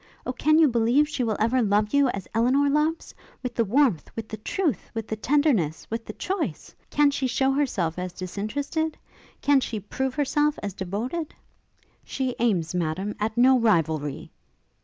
O, can you believe she will ever love you as Elinor loves? with the warmth, with the truth, with the tenderness, with the choice? can she show herself as disinterested? can she prove herself as devoted? ' 'She aims, Madam, at no rivalry!'